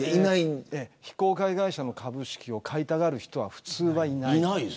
非公開会社の株式を買いたがる人は普通はいない。